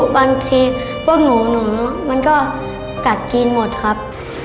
บางทีพวกหนูหนูมันก็กัดจีนหมดครับ